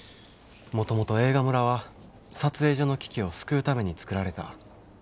もともと映画村は撮影所の危機を救うために作られた。